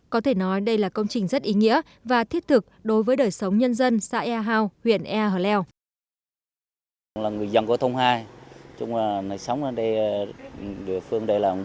có thể nói đây là công trình rất ý nghĩa và thiết thực đối với đời sống nhân dân xã e hào huyện e hờ leo